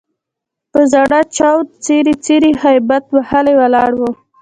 په زړه چاود، څیري څیري هبیت وهلي ولاړ وو.